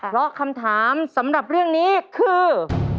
เพราะคำถามสำหรับเรื่องนี้คือ